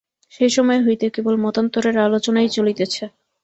সেই সময় হইতে কেবল মতান্তরের আলোচনাই চলিতেছে।